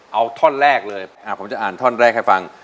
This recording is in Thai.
เอาท่อนแรกเลยผมจะอ่านท่อนแรกให้ฟัง